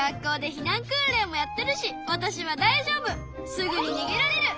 すぐににげられる。